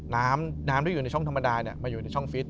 น้ำน้ำที่อยู่ในช่องธรรมดามาอยู่ในช่องฟิต